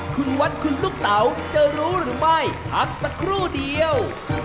คุณวัดคุณลูกเต๋าจะรู้หรือไม่พักสักครู่เดียว